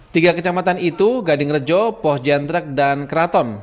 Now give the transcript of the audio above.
tiga kecamatan itu gadingrejo pohjendrek dan kraton